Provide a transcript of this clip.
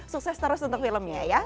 sukses terus untuk filmnya ya